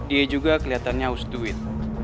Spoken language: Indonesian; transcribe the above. dia juga kelihatannya host duit